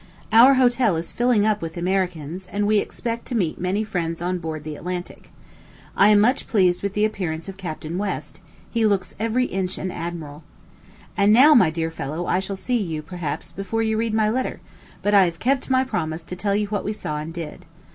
Our hotel is filling up with Americans, and, we expect to meet many friends on board the Atlantic. I am much pleased with the appearance of Captain West; he looks every inch an admiral. And now, my dear fellow, I shall see you, perhaps, before you read my letter; but I have kept my promise to tell you what we saw and did.